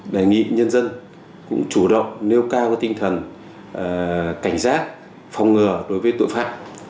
đề nghị nhân dân cũng chủ động nêu cao tinh thần cảnh giác phòng ngừa đối với tội phạm